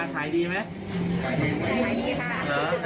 ขายดีค่ะ